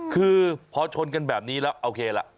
คือพอชนกันแบบนี้แล้วโอเคล่ะ